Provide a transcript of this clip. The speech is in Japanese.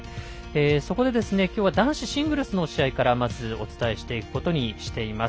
そこで、きょうは男子シングルスの試合からお伝えしていくことにしています。